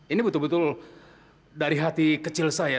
ini betul betul dari hati kecil saya